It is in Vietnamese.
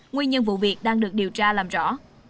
nguyên nhân vụ việc đang được điều tra làm rõ